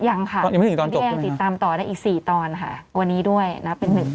ยังค่ะพี่แม่ยังติดตามต่อได้อีก๔ตอนค่ะวันนี้ด้วยนับเป็น๑